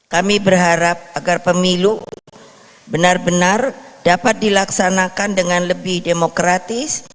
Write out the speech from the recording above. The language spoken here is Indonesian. kami berharap agar pemilu benar benar dapat dilaksanakan dengan lebih demokratis